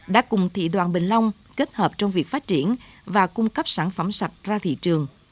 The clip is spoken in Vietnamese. đã cùng thị đoàn bình long kết hợp trong việc phát triển và cung cấp sản phẩm sạch ra thị trường